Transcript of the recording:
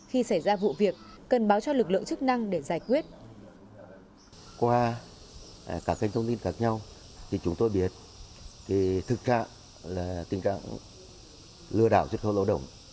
khi xảy ra vụ việc cần báo cho các đối tượng lừa đảo xuất khẩu lao động